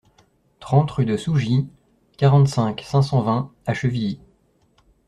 trente rue de Sougy, quarante-cinq, cinq cent vingt à Chevilly